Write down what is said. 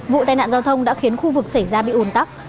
vụ tai nạn giao thông đã khiến khu vực xảy ra bị ủn tắc